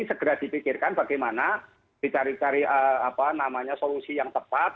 segera dipikirkan bagaimana dicari cari solusi yang tepat